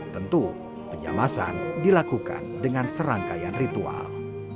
tentu penyamasan dilakukan dengan serangkaian ritual